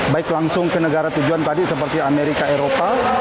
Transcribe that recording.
baik langsung ke negara tujuan tadi seperti amerika eropa